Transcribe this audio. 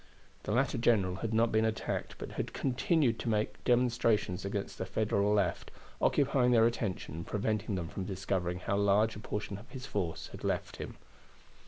The latter general had not been attacked, but had continued to make demonstrations against the Federal left, occupying their attention and preventing them from discovering how large a portion of his force had left him.